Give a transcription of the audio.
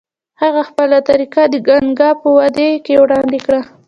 هغه خپله طریقه د ګنګا په وادۍ کې وړاندې کړه.